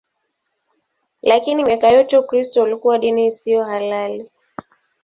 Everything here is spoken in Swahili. Lakini miaka yote Ukristo ulikuwa dini isiyo halali.